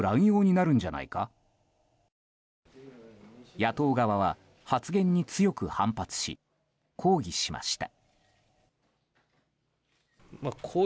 野党側は、発言に強く反発し抗議しました。